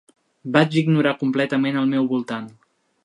Vaig ignorar completament el meu voltant.